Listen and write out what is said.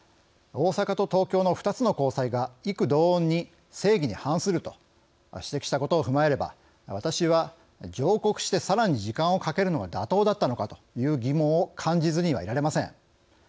大阪と東京の２つの高裁が異口同音に正義に反すると指摘したことを踏まえれば私は上告してさらに時間をかけるのが妥当だったのかという疑問を感じずにはいられません。